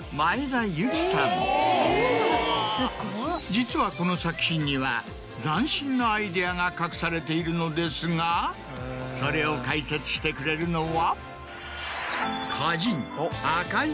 実はこの作品には。が隠されているのですがそれを解説してくれるのは。